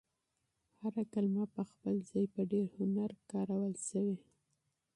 هر کلمه په خپل ځای کې په ډېر هنر کارول شوې.